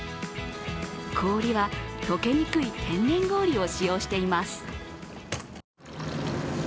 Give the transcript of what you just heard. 氷は溶けにくい天然氷を使用しています。